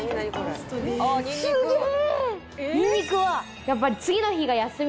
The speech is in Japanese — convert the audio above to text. すげえ！